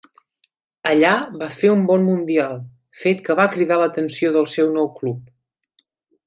Allà va fer un bon Mundial, fet que va cridar l'atenció del seu nou club.